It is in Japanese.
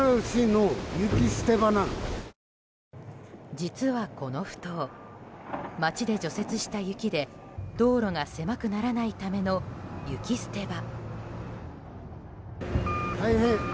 実は、この埠頭街で除雪した雪で道路が狭くならないための雪捨て場。